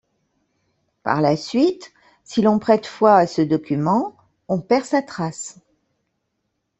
Par la suite, si l'on prête foi à ce document, on perd sa trace.